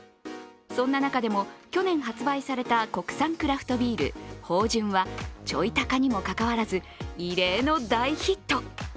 そんな中でも去年発売された国産クラフトビール・豊潤はちょい高にもかかわらず、異例の大ヒット。